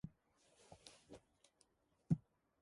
It runs the TestDaF.